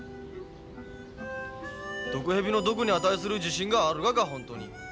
毒蛇の毒に値する自信があるがか本当に。